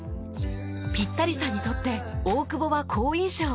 ピッタリさんにとって大久保は好印象。